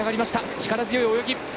力強い泳ぎ。